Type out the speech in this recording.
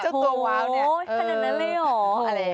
โหแค่นั้นเลยหรอ